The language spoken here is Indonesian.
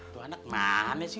tuh anak mana sih